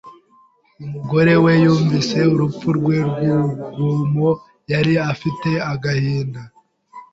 Umugore we yumvise urupfu rwe rw'urugomo, yari afite agahinda.